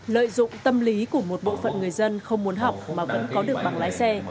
lợi dụng tâm lý của một bộ phận người dân không muốn học mà vẫn có được bằng lái xe